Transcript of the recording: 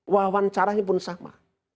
wawancaranya pun sama